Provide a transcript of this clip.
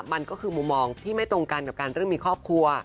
มันก็คือมุมมองที่ไม่ตรงกันกับการเรื่องมีครอบครัว